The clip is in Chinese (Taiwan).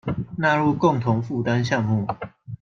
納入共同負擔項目